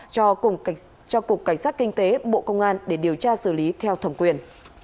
cho cục cảnh sát kinh tế bộ công an để điều tra xử lý theo thẩm quyền